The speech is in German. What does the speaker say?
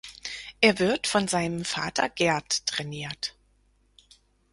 Er wird von seinem Vater Gerd trainiert.